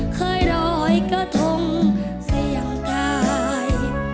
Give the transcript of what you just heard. เคยรอยกระทงเสียงทาย